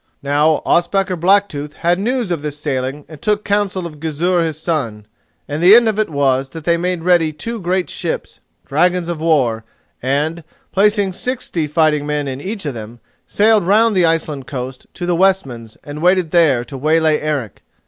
Now Ospakar Blacktooth had news of this sailing and took counsel of Gizur his son, and the end of it was that they made ready two great ships, dragons of war, and, placing sixty fighting men in each of them, sailed round the Iceland coast to the Westmans and waited there to waylay Eric.